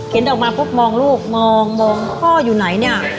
ออกมาปุ๊บมองลูกมองมองพ่ออยู่ไหนเนี่ย